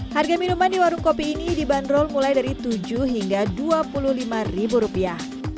harga minuman di warung kopi ini dibanderol mulai dari tujuh hingga dua puluh lima ribu rupiah